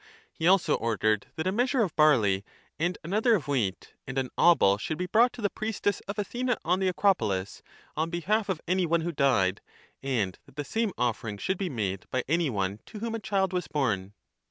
He also ordered that a measure of barley, and another of wheat, and an 15 obol should be brought to the priestess of Athena on the Acropolis on behalf of any one who died, and that the same offering should be made by any one to whom a child was born.